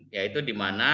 yaitu di mana